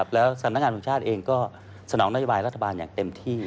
แล้วสำนักงานบุญชาติเองก็สนองนโยบายรัฐบาลอย่างเต็มที่